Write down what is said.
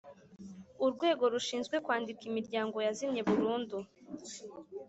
Urwego rushinzwe kwandika imiryango yazimye burundu